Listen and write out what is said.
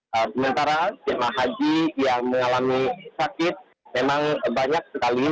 sementara jemaah haji yang mengalami sakit memang banyak sekali